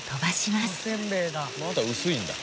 まだ薄いんだ。